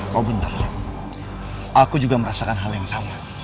kau benar aku juga merasakan hal yang sama